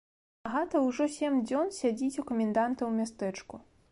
Агата ўжо сем дзён сядзіць у каменданта ў мястэчку.